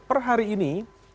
per hari ini